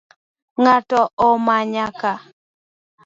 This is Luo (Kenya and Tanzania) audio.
Ng’ato omanya kaa?